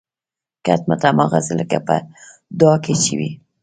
کټ مټ هماغسې لکه په دعا کې چې وي